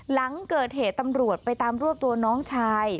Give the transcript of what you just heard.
หลังเกิดเหตุตำรวจไปตามรวบตัวน้องชาย